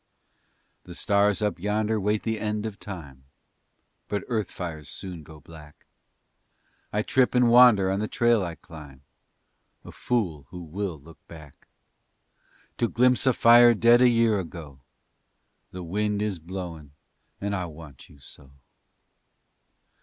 The stars up yonder wait the end of time But earth fires soon go black. I trip and wander on the trail I climb A fool who will look back To glimpse a fire dead a year ago. The wind is blowin' and I want you so.